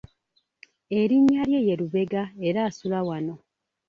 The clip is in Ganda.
Erinnya lye ye Lubega era asula wano.